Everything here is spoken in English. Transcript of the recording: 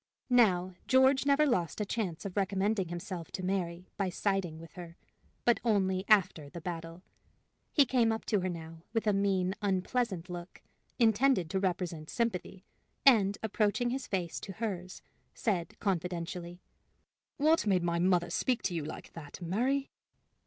Now, George never lost a chance of recommending himself to Mary by siding with her but only after the battle. He came up to her now with a mean, unpleasant look, intended to represent sympathy, and, approaching his face to hers, said, confidentially: "What made my mother speak to you like that, Mary?"